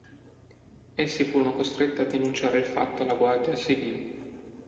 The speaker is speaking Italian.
Essi furono costretti a denunciare il fatto alla Guardia Civil.